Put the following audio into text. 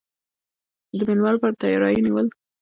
د میلمه لپاره تیاری نیول کیږي.